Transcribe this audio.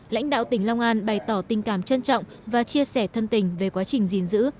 lãnh đạo tỉnh long an bày tỏ tình cảm trân trọng và chia sẻ thân tình về quá trình gìn giữ